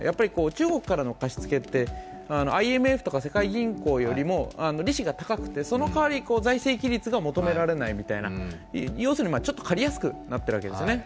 中国からの貸し付けって、ＩＭＦとか世界銀行よりも利子が高くて、その代わり財政規律が求められないみたいな要するにちょっと借りやすくなってるわけですね。